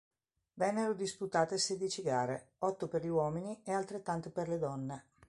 Vennero disputate sedici gare: otto per gli uomini e altrettante per le donne.